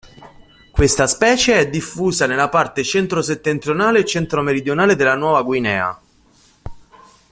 Questa specie è diffusa nella parte centro-settentrionale e centro-meridionale della Nuova Guinea.